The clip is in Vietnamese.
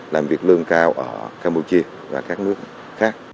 làm việc lương cao ở campuchia và các nước khác